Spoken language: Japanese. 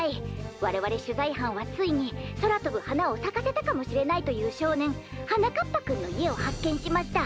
われわれしゅざいはんはついにそらとぶはなをさかせたかもしれないというしょうねんはなかっぱくんのいえをはっけんしました！